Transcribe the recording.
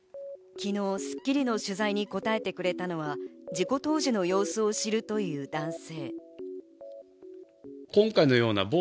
昨日『スッキリ』の取材に答えてくれたのは、事故当時の様子を知るという男性。